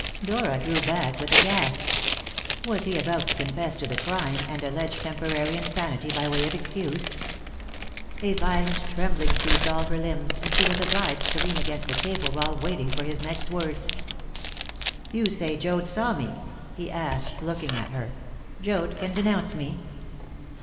Dora drew back with a gasp. Was he about to confess to the crime and allege temporary insanity by way of excuse? A violent trembling seized all her limbs, and she was obliged to lean against the table while waiting for his next words. "You say Joad saw me?" he asked, looking at her. "Joad can denounce me?"